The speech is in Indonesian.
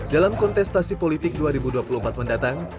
dalam kontestasi politik dua ribu dua puluh empat mendatang